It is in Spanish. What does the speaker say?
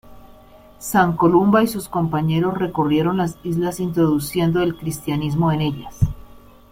San Columba y sus compañeros recorrieron las islas introduciendo el cristianismo en ellas.